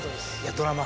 ドラマ